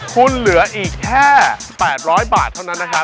คุณเหลืออีกแค่๘๐๐บาทเท่านั้นนะครับ